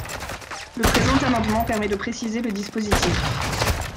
Le présent amendement permet de préciser le dispositif.